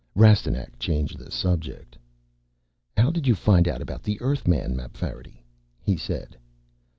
Rastignac changed the subject. "How did you find out about the Earthman, Mapfarity?" he said.